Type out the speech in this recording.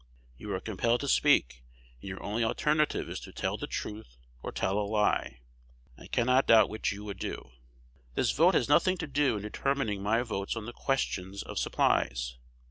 You are compelled to speak; and your only alternative is to tell the truth or tell a lie. I cannot doubt which you would do. This vote has nothing to do in determining my votes on the questions of supplies.